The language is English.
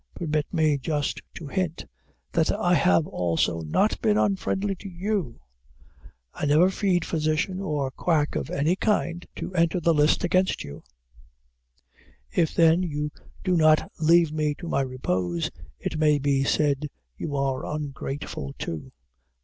Permit me just to hint, that I have also not been unfriendly to you. I never feed physician or quack of any kind, to enter the list against you; if then you do not leave me to my repose, it may be said you are ungrateful too.